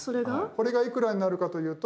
これがいくらになるかというと。